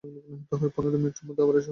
পনেরো মিনিটের মধ্যে আবার এসো।